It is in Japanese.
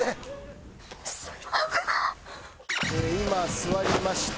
今座りました。